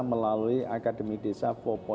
melalui akademi desa empat